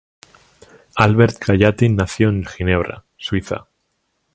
Albert Gallatin nació en Ginebra, Suiza.